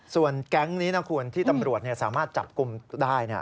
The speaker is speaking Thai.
ส่วนแก๊งนี้นะคุณที่ตำรวจสามารถจับกลุ่มได้